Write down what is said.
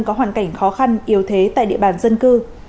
có hoàn cảnh khó khăn yếu thế tại địa bàn dân cư